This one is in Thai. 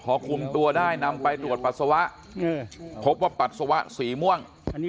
พอคุมตัวได้นำไปตรวจปัสสาวะพบว่าปัสสาวะสีม่วง